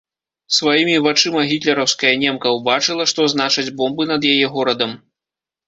Сваімі вачыма гітлераўская немка ўбачыла, што значаць бомбы над яе горадам.